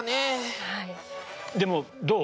でもどう？